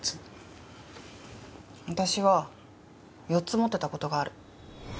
私は４つ持ってた事がある。